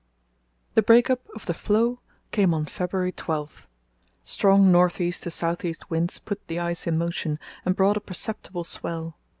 The break up of the floe came on February 12. Strong north east to south east winds put the ice in motion and brought a perceptible swell.